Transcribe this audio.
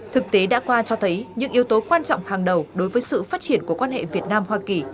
thực tế đã qua cho thấy những yếu tố quan trọng hàng đầu đối với sự phát triển của quan hệ việt nam hoa kỳ